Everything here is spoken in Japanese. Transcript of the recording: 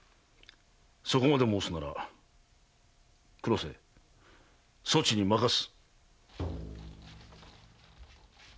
そこまで申すなら黒瀬そちに任す。